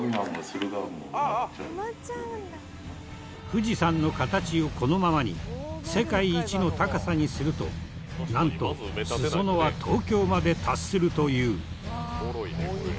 富士山の形をこのままに世界一の高さにするとなんと裾野は東京まで達するという。